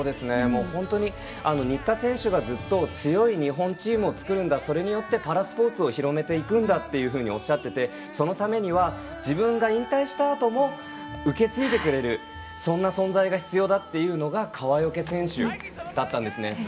本当に新田選手がずっと強い日本チームを作るんだそれによってパラスポーツを広めていくんだっておっしゃっててそのためには自分が引退したあとも受け継いでくれるようなそんな存在が必要だというのが川除選手だったんですね。